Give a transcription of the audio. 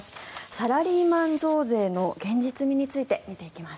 サラリーマン増税の現実味について見ていきます。